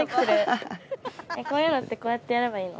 こういうのってこうやってやればいいの？